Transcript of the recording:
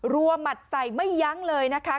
รัวหมัดใส่ไม่ยั้งเลยนะคะ